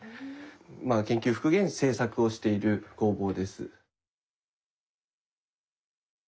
まあ研究復元製作をしている工房です。